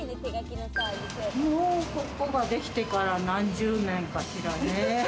もう、ここができてから何十年かしらね。